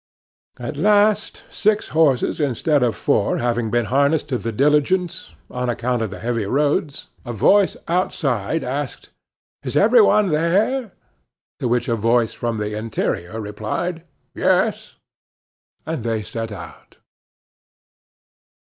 At last, six horses instead of four having been harnessed to the diligence, on account of the heavy roads, a voice outside asked: "Is every one there?" To which a voice from the interior replied: "Yes," and they set out.